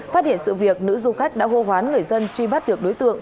phát hiện sự việc nữ du khách đã hô hoán người dân truy bắt được đối tượng